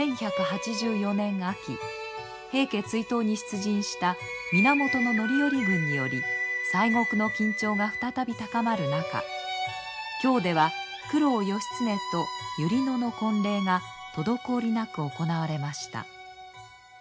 １１８４年秋平家追討に出陣した源範頼軍により西国の緊張が再び高まる中京では九郎義経と百合野の婚礼が滞りなく行われました。